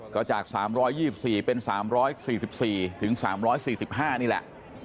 ก็จาก๓๒๔เป็น๓๔๔๓๔๕นี่แหละ